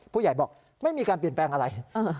ผู้ใหญ่บอกไม่มีการเปลี่ยนแปลงอะไร